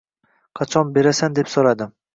Qachon berasan deb so‘radim.